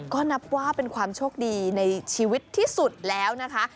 ก็นับว่าเป็นความโชคดีในชีวิตที่สุดแล้วนะคะ